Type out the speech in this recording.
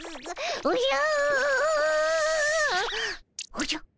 おじゃ？